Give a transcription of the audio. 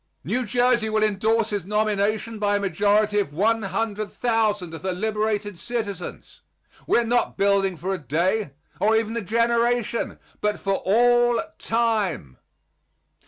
New Jersey will indorse his nomination by a majority of 100,000 of her liberated citizens. We are not building for a day, or even a generation, but for all time.